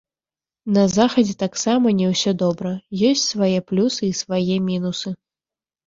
На захадзе таксама не ўсё добра, ёсць свае плюсы і свае мінусы.